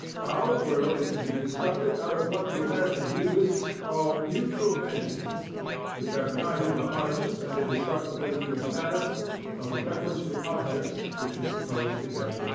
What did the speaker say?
Our world is to be constructed out of what the American realists call "neutral" entities, which have neither the hardness and indestructibility of matter, nor the reference to objects which is supposed to characterize mind.